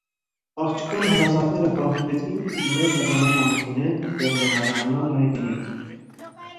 Աղջկան հարազատները պահանջեցին իրմէ հեռանալ ամուսինէն եւ վերադառնալ հայրենիք։